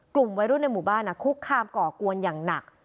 กลุ่มวัยรุ่นในหมู่บ้านคุกคามก่อกวนอย่างหนัก